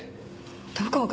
どこが？